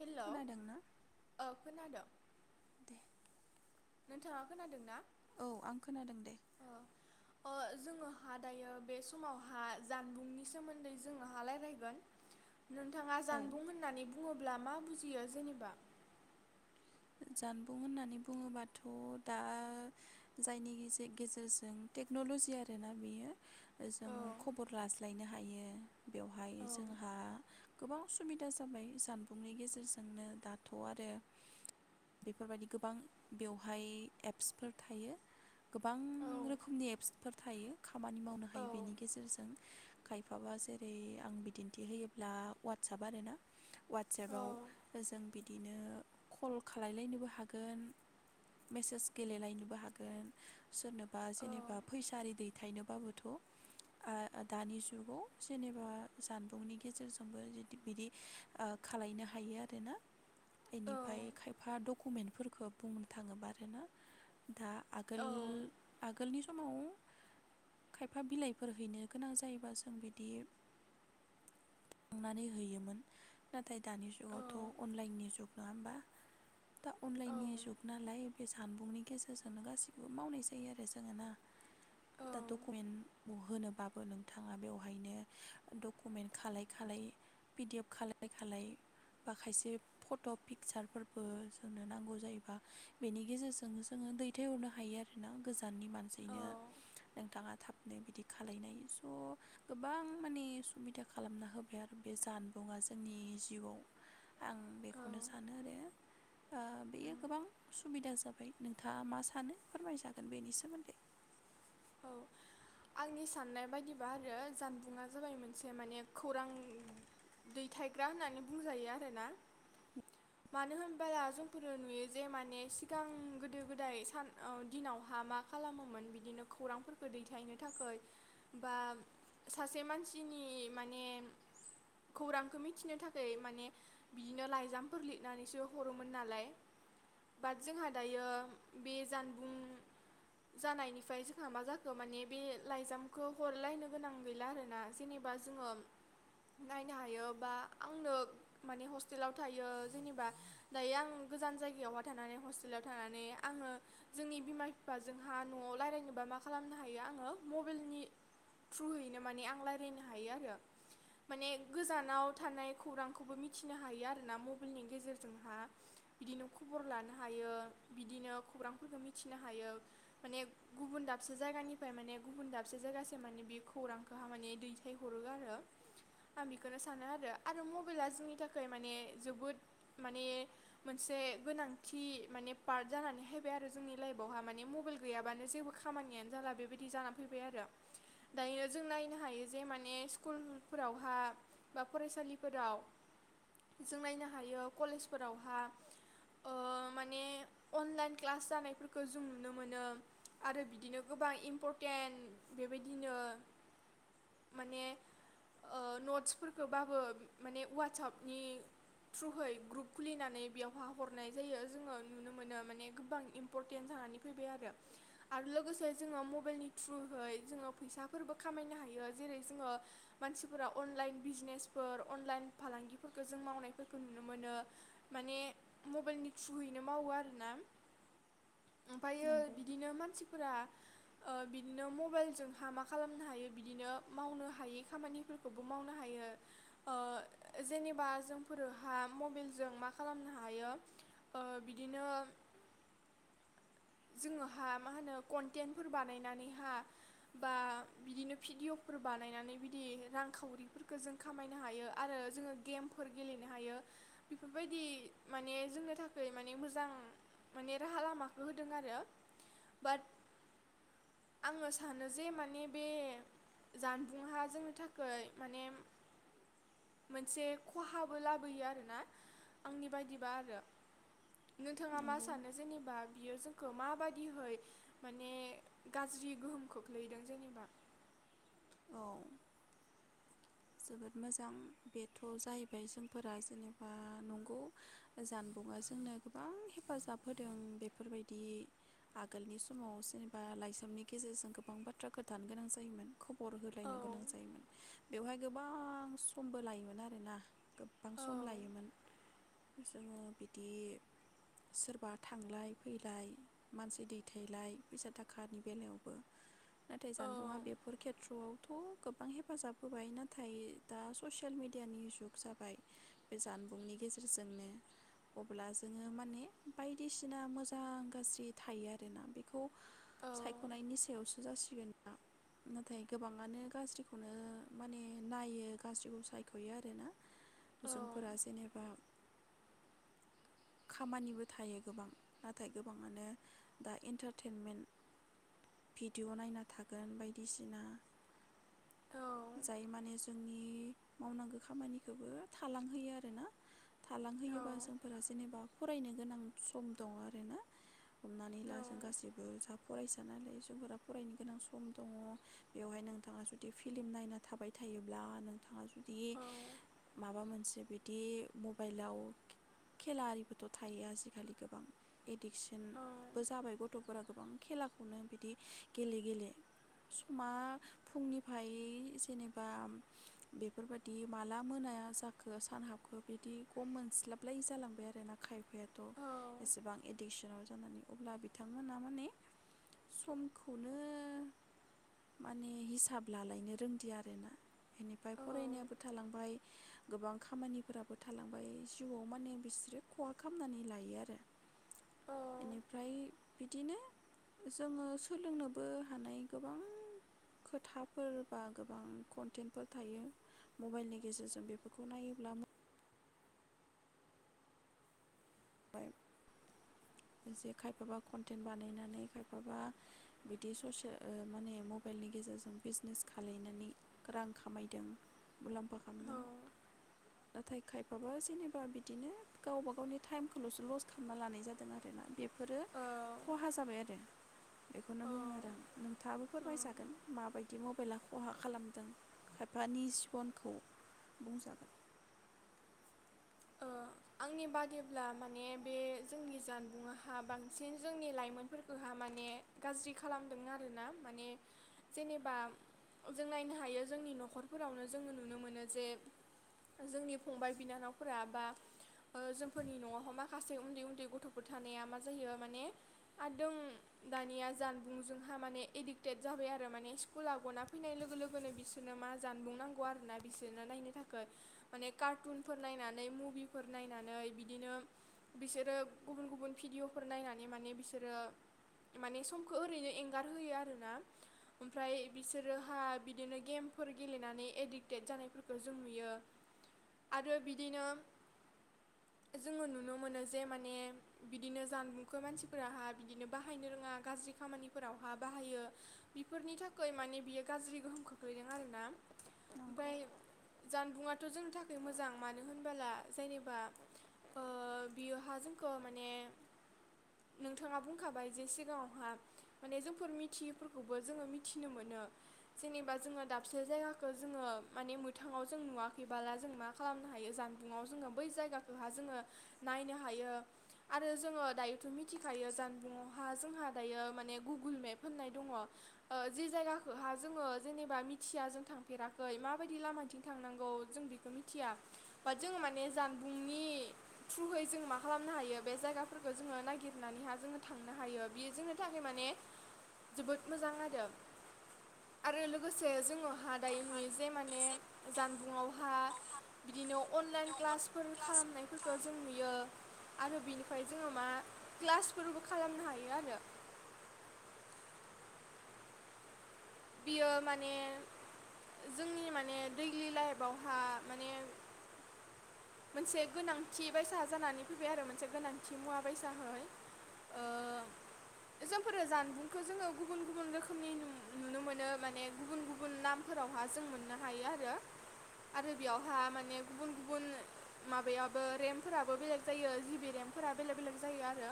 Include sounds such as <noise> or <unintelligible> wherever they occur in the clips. हेल' खोनादोंना औ खोनादोंं? दे नोंथाङा खोनादों ना? औ आं खोनादों दे। ओ जोङोहाय दायो बे समावहाय जानबुंनि सोमोन्दै जोङोहाय राय्लायगोन। नोंथाङा औ जानबुं होननानै बुं बुङोब्ला मा बुजियो जेनेबा। जानबुं होननानै बुङोबाथ' दा जायनि गे-गेजेरजों टेक्न'ल'जि आरोना बेयो। औ जोङो खबर लाज्लायनो हायो बेवहाय औ जोंहा गोबां सुबिदा जाबाय जानबुंनि गेजेरजोंनो दाथ' आरो बेफोर बायदि गोबां बेवहाय एप्सफोर थायो गोबां औ रोखोमनि एप्सफोर थायो। खामानि मावनो औ हायो बेनि गेजेरजों खायफाबा जेरै आं बिदिन्थि होयोब्ला अवाटसाप आरोना। औ अवाटसापाव जों बि बिदिनो कल खालायलायनोबो हागोन मेसेज गेले लायनोबो हागोन सोरनोबा औ जेनेबा फैसा आरि दैथायनोबाबोथ' दानि जुगाव जेनेबा जानबुंनि गेजेरजोंबो बिदि ओ खालामलनो हायो आरोना इदि ओमफ्राय औ खायफा डकुमेन्टफोरफोरखौ बुंनो थाङोबा आरोना दा आगोल औ आगोलनि समाव खायफा बिलाइफोर हैनो गोनां जायोबा जों बिदि थांनानै हैयोमोन नाथाय दानि औ औ जुगावथ' अन लाइननि जुग नङा होमबा। दा अन लाइननि जुग नालाय बे जानबुंनि गेजेरजोंनो गासैखौबो मावनाय जायो आरो जोङोना। दाथ' खयेन होनोबाबो नोंथाङा बेवहायनो डकुमेन्ट खालाय खालाय पिडि एफ खालाय खालाय बा खायसे फट' फिखसारफोरबो जोंनो नांगौ जायोबा बेनि गेजेरजोंनो जोङो दैथायहरनो हायो आरोना गोजाननि मानसिनो नोंथाङा थाबनो बिदि खालामनो हायो स' गोबां माने सुबिदा खालामना होबाय आरो बे जानबुंआ जोंनि जिउआव। आं बेखौनो सा आरो ओ बेयो उम गोबां सुबिदा जाबाय नोंथाङा मा सानो फोरमाय जागोन बेनि सोमोन्दै। औ आंनि साननाय बायदिबा आरो जानबुंङा जाबाय मोनसे माने खौरां दैथायग्रा होननानै बुंजायो आरोना मानो होनबाला जोंफोरो नुयो जे माने सिगां गोदो गोदाय सान दिनावहाय मा खालामोमोन बिदिनो खौरांफोरखौ दैथायनो थाखाय बा सासे मानसिनि माने खौरांखौ मिथिनो थाखाय माने बिदिनो लाइजामफोरसो लिरनानै हरोमोन नालाय बाट जोंहा दायो बे जानबुं जानायनिफ्राय जों मा जाखो माने बे लाइजामखौ हरलायनो गोनां गैला आरोना जेनेबा जोङो नायनो हायो बा आंनो माने हस्टेलाव थायो जेनेबा दायो आं गोजान जायगायावहाय थानानै हस्टेलाव थानानै आङो जोंनि बिमा बिफाजोंहा न'आव रायलायनो बा मा खालामनो हायो आङो मबाइलनि थ्रुयैनो माने आं रायजलायनो हायो आरो माने गोजानाव थानाय खौरांखौबो मिथिनो हायो आरोना मबाइलनि गेजेरजोंहा बिदिनो खबर लानो हायो बिदिनो खौरांफोरखौ मिथिनो हायो माने गुबुन दाबसे जायगानिफ्राय माने गुबुन दाबसे जायगासिम माने बे खौरांखौहा माने दैथायहरो आरो आं बेखौनो सानो आरो मबाइला जोंनि थाखाय माने जोबोद माने मोनसे गोनांथि माने पार्ट जानानै हायबाय आरो जोंनि लाइफआवहा माने मबाइल गैयाबानो जेबो खामानियानो जाला बेबायदि जाना फैबाय आरो दायो जों नायनो हायो जे माने स्कुलफोरावहा बा फरायसालिफोराव जों नायनो हायो कलेजफोरावहा ओ माने अनलाइन क्लास जानायफोरखौ जों नुनो मोनो। आरो बिदिनो गोबां इम्परटेन्ट बेबायदिनो माने ओ नटसफोरखौबाबो माने ववाट्सापनि थ्रुयै ग्रुप खुलिनानै बेयावहाय हरनाय जायो जोङो नुनो मोनो माने गोबां इम्परटेन्ट जानानै फैबाय आरो। आरो लोगोसे जोङो मबाइलनि थ्रुहै जोङो फैसाफोरबो खामायनो हायो जेरै जोङो मानसिफोरा अनलाइन बिजनेसफोर अनलाइन फालांगिफोरखौ जों मावनायफोरखौ नुनो मोनो माने मबाइलनि थ्रुयैनो मावो आरोना ओमफ्रायो नंगौ बिदिनो मानसि फ्रा ओ बिदिनो मबाइलजोंहा मा खालामनो हायो बिदिनो मावनो हायि खामानिफोरखौबो मावनो हायो ओ जेनेबा जोंफोरहा मबाइलजों मा खालामनो हायो ओ बिदिनो जोङोहा मा होनो कन्टेन्टफोर बानायनानैहा बा बिदिनो भिडिअ'फोर बानायनानै बिदि रांखावरिफोरखौ जों खामायनो हायो आरो जोङो गेमफोर गेलेनो हायो बेफोर बायदि माने जोंनो थाखाय माने मोजां माने राहा लामाखौ हो दों आरो बाट आङो सानो जे माने बे जानबुंआ जोंनि थाखाय माने मोनसे खहाबो लाबोयो आरोना आंनि बायदिबा आरो। नोंथाङा मा नंगौ सानो जेनेबा? इयो जों खो माबादिहै माने गाज्रि गोहोम खोख्लैदों जेनेबा। औ जोबोद मोजां बेथ' जाहैबाय जोंफोरा जेनेबा नंगौ जानबुंआ जोंनो गोबां हेफाजाब होदों बेफोर बायदि आगोलनि समाव जेनेबा लाइजामनि गेजेरजों गोबां बाथ्रा खोनथानो गोनां जायोमोन। खबर औ होलायनो गोनां जायोमोन बेवहाय गोबां समबो लायोमोन आरोना। गोबां औ सम लायोमोन। जोङो बिदि सोरबा थांलाय फैलाय मानसि दैथायलाय फैसा थाखानि बेलायावबो नाथाय औ जानबुङा बेफोर खेथ्र'आव थ' गोबां हेफाजाब होबाय ना नाथाय दा ससियेल मेडियानि जुग जाबाय बे जानबुंनि गेजेरजोंनो अब्ला जोङो माने बायदिसिना मोजां गाज्रि थायो आरोना बेखौ औ सायख'नायनि सायावसो जासिगोन दां नाथाय गोबाङानो गाज्रिखौनो माने नायो गाज्रिखौ सायख'यो आरोना औ जोंफोरा जेनेबा खामानिबो थायो गोबां नाथाय गोबाङानो दा एन्टारटेनमेन्ट भिडिअ' नायना थागोन बायदिसिना औ जाय माने जोंनि मावनांगौ खामानिखौबो थालांहोयो आरोना औ थालांहोयोबा जोंफोरा जेनेबा फरायनो गोनां सम दं आरोना हमनानै औ ला जों गासिबो साफ फरायसा नालाय जोंफोरा फरायनो गोनां सम दङ बेवहाय नोंथाङा जुदि फिलिम नायना थाबाय थायोब्ला नोंथाङा जुदि माबा मोनसे बिदि मबाइलाव खेला आरिबोथ' थायो आजि खालि गोबां एडिकसनबो जाबाय गथ'फोरा गोबां खेलाखौनो बिदि गेले गेले समा फुंनिफ्राय जेनेबा बा बेफोर बायदि माला मोना जाखो सान हाबखो बिदि गम मोनस्लाबलायि जालांबाय आरोना खायफायाथ' औ एसेबां एडिक्सनाव जानानै अब्ला बिथांमोना माने समखौनो माने हिसाब लालायनो रोंदिया। बेनिफाय फरायनायाबो थालांबाय गोबां खामानिफोराबो थालांबाय जिउआव माने बिसोरो खहा खामनानै लायो आरो। इनिफ्राय बिदिनो जोङो सोलोंनोबो हानाय गोबां खोथाफोर बा गो गोबां कन्टेन्टफोर थायो मबाइलनि गेजेरजों बेफोरखौ नायोब्ला <unintelligible> खायफाबा कन्टेन्ट बानायनानै खायफाबा बिदि ससे ओ माने मबाइलनि गेजेरजों बिजनेस खालायनानै रां खामायदों मुलाम्फा खामदों। नाथाय खायफाबा जेनेबा बिदिनो गावबा गावनि टाइमखौल'सो लस खालामना लानाय जादों आरोना बेफोरो औ खहा जाबाय आरो बेखौनो औ बुङो आरो आं नोंथाङाबो औ फोरमायजागोन माबायदि मबाइला खहा खालामदों खायफानि जिबनखौ बुंजागोन ओ आंनि बादिब्ला माने बे जोंनि जानबुंआहा बांसिन जोंनि लाइमोनफोरखौहा माने गाज्रि खालामदों आरोना माने जेनेबा जों नायनो हायो जोंनि न'खरफोरावनो जोङो नुनो मोनो जे जोंनि फंबाय बिनानावफोरा बा जोंफोरनि न'आवहाय माखासे उन्दै उन्दै गथ'फोर थानाया मा जायो माने <unintelligible> दानिया जानबुंजोंहा माने एडिक्टेड जाबाय आरो माने स्कुला गना फैनाय लोगो लोगोनो बिसोरनो मा जानबुं नांगौ आरोना बिसोरनो नायनो थाखाय माने कार्टुनफोर नायनानै मुभि फोर नायनानै बिदिनो बिसोरो गुबुन गुबुन भिडिअ'फोर नायनानै माने बिसोरो माने समखौ ओरैनो एंगारहोयो आरोना ओमफ्राय बिसोरोहा बिदिनो गेमफोर गेलेनानै एडिक्टेड जानायफोरखौ जों नुयो आरो बिदिनो जोङो नुनो मोनो जे माने बिदिनो जानबुंखो मानसिफोरा बिदिनो बाहायनो रोङा गाज्रि खामानिफोरावहा बाहायो। बेफोरनि थाखाय माने बे गाज्रि गोहोम खोख्लैदों आरो ना नंगौ ओमफ्राय जानबुंङा <unintelligible> जोंनि थाखाय मोजां मानो होनबोला जायनो बा ओ बियो हा जों <unintelligible> माने नोंथाङा बुंखाबाय जे सिगाङावहा माने जोंफोर मिथियैफोरखौबो जोङो मिथिनो मोनो जेनेबा जोङो दाबसे जायगाखो जोङो माने मोथाङाव जों नुवाखैबाला जों मा खालामनो हायो जा <unintelligible> जोङो बै जायगाखोहा जोङो नायनो हायो आरो जोङो दायोथ' मिथिखायो जानबुंवहा जोंहा दायो माने गुगोल मेप होननाय दङ' जे जायगाखौहा जोङो जेनेबा मिथिया जों थांफेराखै माबायदि लामाथिं थांनांगौ जों बेखौ मिथिया बा जोङो माने जानबुंनि थ्रुहै जों मा खालामनो हायो बे जायगाफोरखौ जोङो नागिरनानैहाय जोङो थांनो हायो बियो जोंनि थाखाय माने जोबोद मोजां आरो आरो लोगोसे जोङो हा दायो नुयो जे माने जानबुंआवहा बिदिनो अनलाइन क्लास फोर खालामनायफोरखो जों नुयो। आरो बिनिफ्राय जोङो मा क्लासफोरबो खालामनो हायो आरो बियो माने जोंनि माने दैलि लाइफआवहा माने मोनसे गोनांथि बायसा जानानै फैबाय आरो मोनसे गोनांथि मुवा बायसाहै ओ जोंफोरो जानबुंखौ जोङो गुबुन गुबुन रोखोमनि नु नुनो मोनो माने गुबुन गुबुन नामफोरावहा जों मोननो हायो आरो आरो बेयावहा माने गुबुन गुबुन माबायाबो रेम्पफोराबो बेलेग जायो जिबि रेम्पफोरा बेलेक बेलेक जायो आरो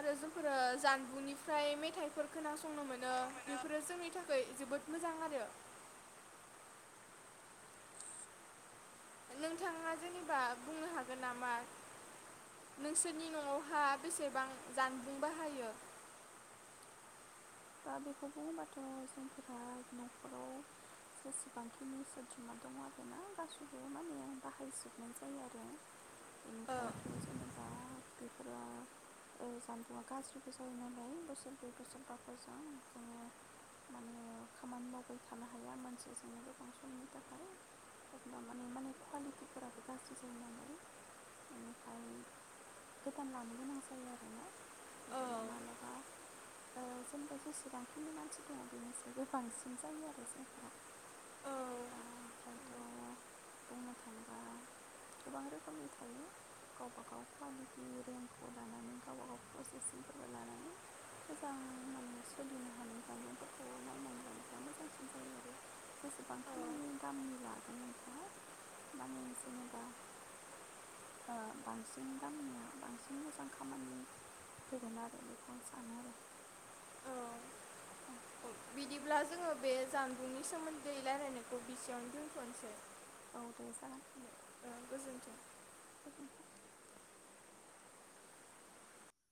आरो जोंफोरो जानबुंनिफ्राय मेथाइफोर खोनासंनो मोनो बेफोरो जोंनि थाखै जोबोद मोजां आरो नोंथाङा जेनेबा बुंनो हागोन नामा नोंसोरनि न'आवहा बेसेबां जानबुं बाहायो? दा बेखौ बुङोबाथ' जोंफोरा न'खराव जेसेबांखिनि सोद्रोमा दङ' आरो ना गासैबो माने बाहायजोबनाय जायो आरो ओ बेनिफ्रायथ' जेनेबा बेफोरो ओ जानबुंङा गाज्रिबो जायो नालाय बोसोरब्रै बोसोरबा <unintelligible> जोङो माने खामानि मावबाय थानो हाया मोनसे जोंनो गोबां समनि थाखाय अब्ला माने माने कुवालिटिफोराबो गाज्रि जायो नालाय बेनिफ्राय गोदान लानो गोनां जायो आरो ना औ बिदिनो मालाबा ओ जेनेबा जेसेबांखिनि मानसि दङ' बेनिसायबो बांसिन जायो आरो जोंफोरा औ ओमफ्रायथ' बुंनो थाङोबा गोबां रोखोमनि थायो गावबा गाव कुवालिटि रेमखौ लानानै गावबा गाव प्रसेसिंफोरखौ लानानै मोजां माने सोलिनो हानाय जानबुंफोरखौ नायनानै लायोबा मोजांसिन जायो आरो जेसेबांखिनिनि दामनि लागोन नोंथाङा माने जेनेबा ओ बांसिन दामनिया बांसिन मोजां खामानि होगोन आरो बेखौ आं सानो आरो औ औ बिदिब्ला जोङो बे जानबुंनि सोमोन्दै रायलायनायखौ बेसेयावनो दोनथ'नोसै। औ दे जागोन। ओ गोजोन्थों <unintelligible>